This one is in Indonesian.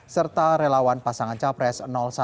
serta relawan pasangan capres satu